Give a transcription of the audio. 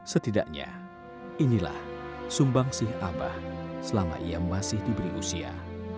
setidaknya inilah sumbang si abah selama ia masih diberi usia